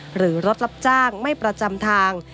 หรือรถรับจ้างไม่ประจำทาง